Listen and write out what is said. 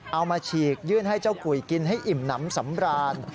มาฉีกยื่นให้เจ้ากุยกินให้อิ่มน้ำสำราญ